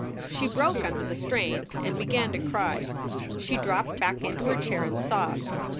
She broke under the strain and began to cry. She dropped back into her chair and sobbed.